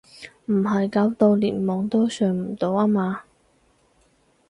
唔係搞到連網都上唔到呀嘛？